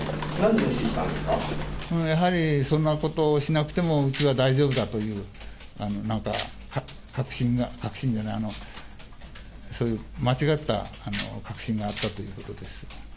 やはり、そんなことをしなくても、うちは大丈夫だという、なんか確信が、確信じゃない、そういう間違った確信があったということです。